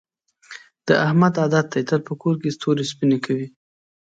د احمد عادت دې تل په کور کې تورې سپینې کوي.